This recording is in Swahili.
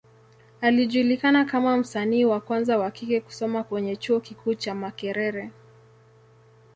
Alijulikana kama msanii wa kwanza wa kike kusoma kwenye Chuo kikuu cha Makerere.